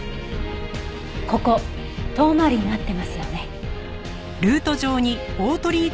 ここ遠回りになってますよね。